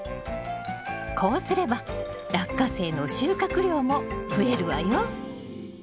こうすればラッカセイの収穫量も増えるわよ。